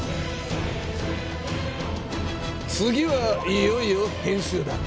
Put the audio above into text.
次はいよいよ編集だ。